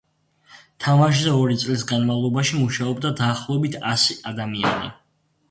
თამაშზე ორი წლის განმავლობაში მუშაობდა დაახლოებით ასი ადამიანი.